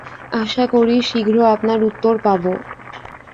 আশা করি, শীঘ্র আপনার উত্তর পাব।